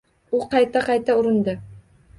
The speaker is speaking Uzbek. U qayta-qayta urindi.